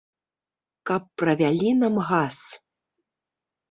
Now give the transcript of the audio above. Каб правялі нам газ!